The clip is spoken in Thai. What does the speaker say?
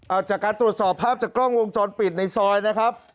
เอาจากการตรวจสอบภาพจากกล้องวงจรปิดในซอยนะครับ